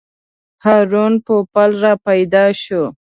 هارون پوپل راپیدا شو.